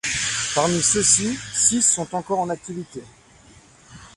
Parmi ceux-ci, six sont encore en activité.